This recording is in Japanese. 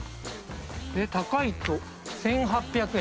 高いと１，８００円。